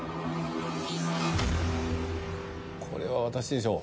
これは私でしょう。